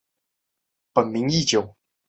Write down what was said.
本名义久。